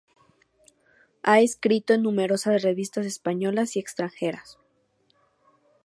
Ha escrito en numerosas revistas españolas y extranjeras.